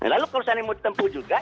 lalu kalau sana mau ditempu juga ya sih